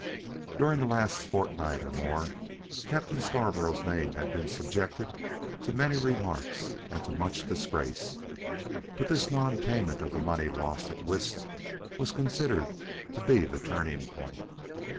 During the last fortnight or more Captain Scarborough's name had been subjected to many remarks and to much disgrace. But this non payment of the money lost at whist was considered to be the turning point.